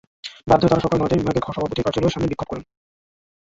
বাধ্য হয়ে তাঁরা সকাল নয়টায় বিভাগের সভাপতির কার্যালয়ের সামনে বিক্ষোভ করেন।